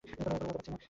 কোনো মজা করছি না।